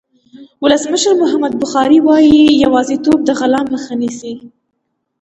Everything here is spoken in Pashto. ولسمشر محمد بخاري وایي یوازېتوب د غلا مخه نیسي.